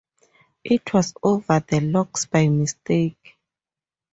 It was over the locks by mistake.